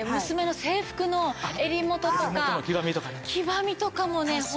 娘の制服の襟元とか黄ばみとかもね